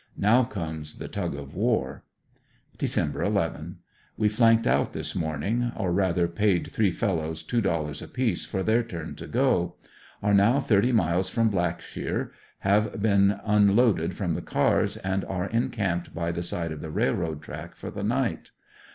Now comes the tug of war. ■ Dec. 11. — We flanked out this morning, or rather paid three fel lows two dollars apiece for their turn to go Are now thirty miles from Blackshear; have been unloaded from the cars and are en camped hy the side of the railroad track for the night.